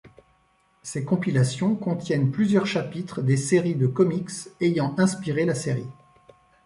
Ces compilations contiennent plusieurs chapitres des séries de comics ayant inspirées la série.